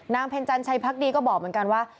เพ็ญจันชัยพักดีก็บอกเหมือนกันว่า